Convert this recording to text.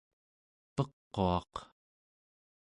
pequaq